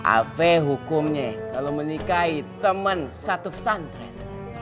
apa hukumnya kalau menikahi teman satu pesantren